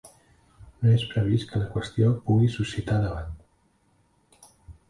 No és previst que la qüestió pugui suscitar debat.